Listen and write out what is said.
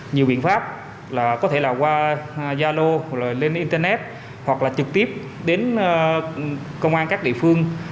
nhiều biện pháp là có thể là qua gia lô lên internet hoặc là trực tiếp đến công an các địa phương